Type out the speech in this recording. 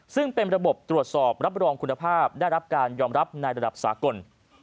ซึ่งเป็นระบบตรวจสอบรับรองคุณภาพได้รับการยอมรับในระดับสากล